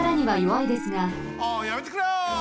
あやめてくれよ！